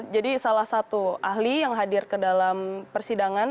jadi salah satu ahli yang hadir ke dalam persidangan